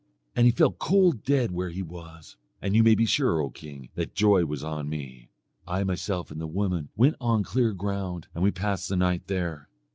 And he fell cold dead where he was; and you may be sure, O king, that joy was on me. I myself and the woman went out on clear ground, and we passed the night there.